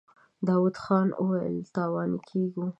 داوود خان وويل: تاواني کېږو.